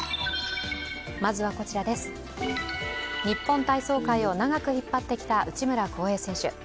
日本体操界を長く引っ張ってきた内村航平選手。